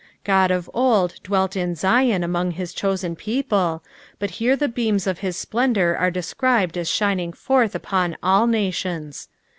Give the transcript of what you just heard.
Qod of old dwelt in Zlon among his chosen people, but here the beuna of his splendour arc described as shining forth upon ftll nations.